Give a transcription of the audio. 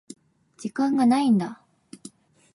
時間がないんだ。